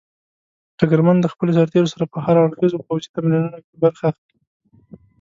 ډګرمن د خپلو سرتېرو سره په هر اړخيزو پوځي تمرینونو کې برخه اخلي.